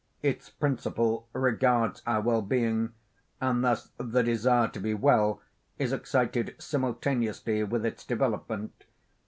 Its principle regards our well being; and thus the desire to be well is excited simultaneously with its development.